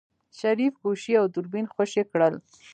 شريف ګوشي او دوربين خوشې کړل.